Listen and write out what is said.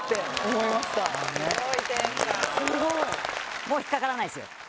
すごいもう引っ掛からない？